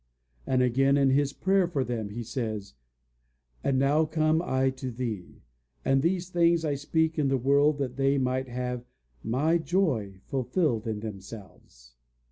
And again, in his prayer for them, he says, "And now come I to thee; and these things I speak in the world that they might have my joy fulfilled in themselves."